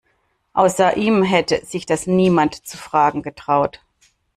Außer ihm hätte sich das niemand zu fragen getraut.